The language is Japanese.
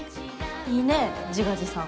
いいね自画自賛。